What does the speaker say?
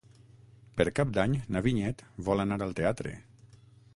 Per Cap d'Any na Vinyet vol anar al teatre.